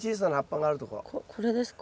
これですか？